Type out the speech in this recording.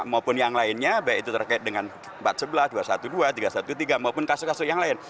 maupun yang lainnya baik itu terkait dengan empat sebelas dua ratus dua belas tiga ratus tiga belas maupun kasus kasus yang lain